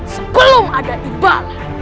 sebelum ada ibadah